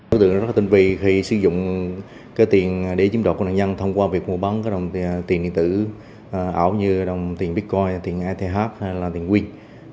đối tượng rất tinh vi khi sử dụng tiền để chiếm đoạt công đoạn nhân thông qua việc mua bán tiền điện tử ảo như tiền bitcoin tiền eth hay tiền win